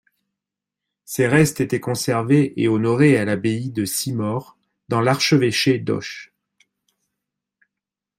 Ses restes étaient conservés et honorés à l’abbaye de Simorre dans l'Archevêché d'Auch.